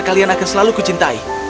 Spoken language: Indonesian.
kalian akan selalu ku cintai